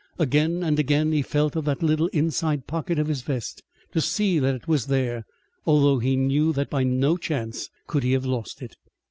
Again and again he felt of that little inside pocket of his vest to see that it was there, although he knew that by no chance could he have lost it.